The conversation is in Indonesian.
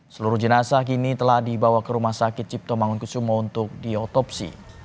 seluruh jenazah kini telah dibawa ke rumah sakit cipto mangunkusumo untuk diotopsi